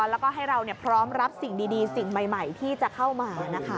แล้วก็ให้เราพร้อมรับสิ่งดีสิ่งใหม่ที่จะเข้ามานะคะ